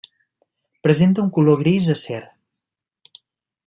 Presenta un color gris acer.